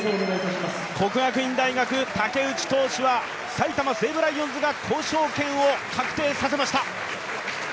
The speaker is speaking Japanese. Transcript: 国学院大学、武内投手は埼玉西武ライオンズが交渉権を獲得させました。